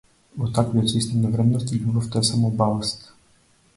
Во таквиот систем на вредности љубовта е само баласт.